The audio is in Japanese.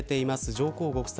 上皇ご夫妻